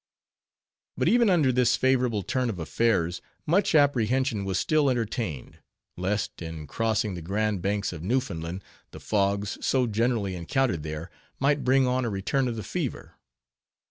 But even under this favorable turn of affairs, much apprehension was still entertained, lest in crossing the Grand Banks of Newfoundland, the fogs, so generally encountered there, might bring on a return of the fever.